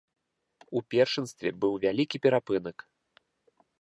У першынстве быў вялікі перапынак.